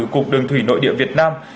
cục đường thủy nội địa việt nam